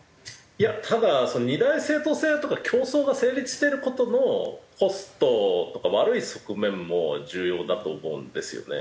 いやただ二大政党制とか競争が成立してる事のコストとか悪い側面も重要だと思うんですよね。